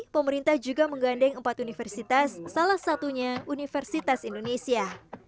pemerintah juga menggandeng empat universitas salah satunya universitas indonesia